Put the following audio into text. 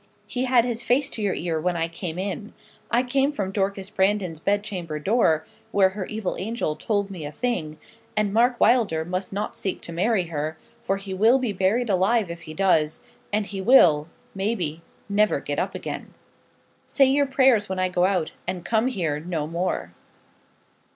he had his face to your ear when I came in. I came from Dorcas Brandon's bed chamber door, where her evil angel told me a thing; and Mark Wylder must not seek to marry her, for he will be buried alive if he does, and he will, maybe, never get up again. Say your prayers when I go out, and come here no more.'